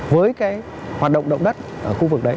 với cái hoạt động động đất ở khu vực đấy